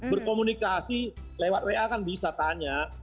berkomunikasi lewat wa kan bisa tanya